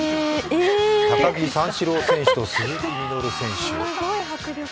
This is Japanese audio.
高木三四郎選手と鈴木みのる選手。